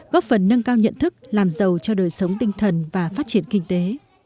góp phần nâng cao nhận thức làm giàu cho đời sống tinh thần và phát triển kinh tế